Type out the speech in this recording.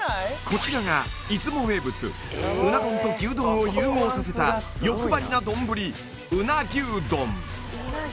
こちらがいづも名物鰻丼と牛丼を融合させた欲張りな丼鰻牛丼！